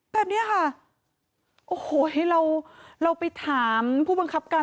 แบบนี้ค่ะโอ้โหเราเราไปถามผู้บังคับการ